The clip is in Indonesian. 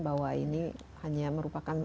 bahwa ini hanya merupakan